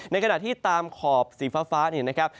ในฐานะที่ตามขอบสีฟ้านะครับ